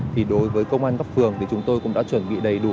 thì đối với công an cấp phường thì chúng tôi cũng đã chuẩn bị đầy đủ